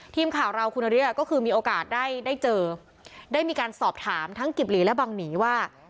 ทีมข่าวเราคุณนฤทธิ์ก็คือมีโอกาสได้ได้เจอได้มีการสอบถามทั้งกิบหลีและบังหนีว่า